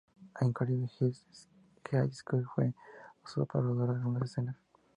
El Hollywood Hills High School fue usado para rodar algunas escenas.